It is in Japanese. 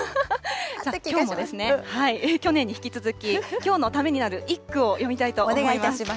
きょうもですね、去年に引き続き、きょうのためになる一句を詠みたいと思います。